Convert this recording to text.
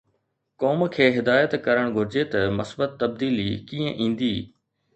قوم کي هدايت ڪرڻ گهرجي ته مثبت تبديلي ڪيئن ايندي؟